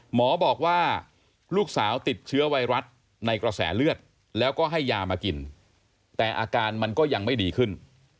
หมอบอกว่าลูกสาวติดเชื้อไวรัสในกระแสเลือดแล้วก็ให้ยามากินแต่อาการมันก็ยังไม่ดีขึ้น